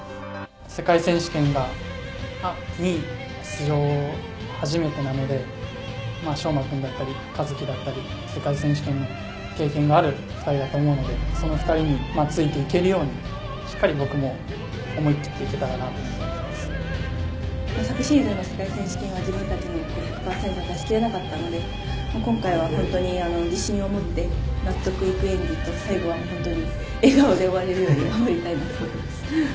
世界選手権に出場初めてなので昌磨君だったり一希だったり世界選手権の経験がある２人だと思うのでその２人についていけるようにしっかり僕も昨シーズンの世界選手権は自分たちの１００％を出しきれなかったので今回は本当に自信を持って納得がいく演技を最後は笑顔で終われるように終えられたいなと思います。